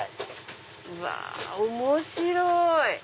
うわ面白い！